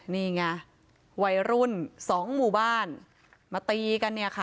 นี่ไงวัยรุ่นสองหมู่บ้านมาตีกันเนี่ยค่ะ